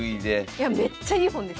いやめっちゃいい本です！